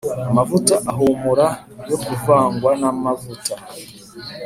Amavuta ahumura yo kuvangwa n amavuta